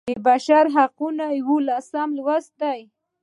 د بشر حقونه یوولسم لوست دی.